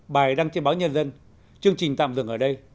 bài đăng trên báo nhân dân chương trình tạm dừng ở đây